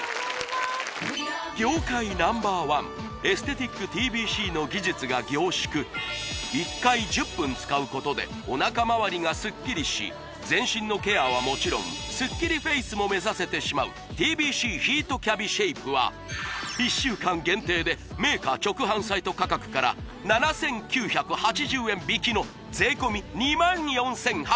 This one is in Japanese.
業界Ｎｏ．１エステティックＴＢＣの技術が凝縮１回１０分使うことでおなかまわりがすっきりし全身のケアはもちろんすっきりフェイスも目指せてしまうＴＢＣヒートキャビシェイプは１週間限定でメーカー直販サイト価格から７９８０円引きの税込２４８００円に！